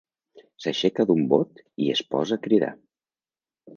S'aixeca d'un bot i es posa a cridar.